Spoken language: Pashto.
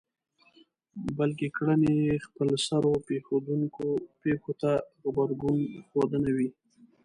بلکې کړنې يې خپلسر پېښېدونکو پېښو ته غبرګون ښودنه وي.